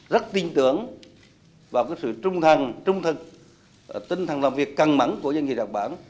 rất tin tưởng vào sự trung thành trung thực tinh thần làm việc căng mắng của doanh nghiệp nhật bản